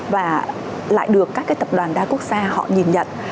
và lại được các cái tập đoàn đa quốc gia họ nhìn nhận